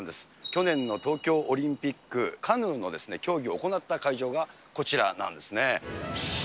去年の東京オリンピック、カヌーの競技が行った会場がこちらなんですね。